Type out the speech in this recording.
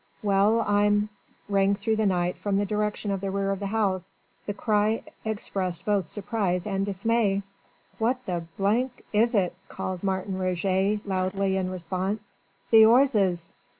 Well! I'm ..." rang through the night from the direction of the rear of the house. The cry expressed both surprise and dismay. "What the is it?" called Martin Roget loudly in response. "The 'orzes!"